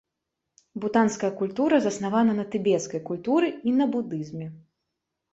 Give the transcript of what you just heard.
Бутанская культура заснавана на тыбецкай культуры і на будызме.